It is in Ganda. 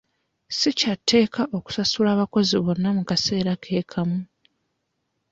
Si kyatteeka okusasula abakozi bonna mu kaseera ke kamu.